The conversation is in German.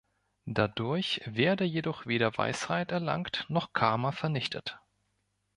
Dadurch werde jedoch weder Weisheit erlangt noch Karma vernichtet.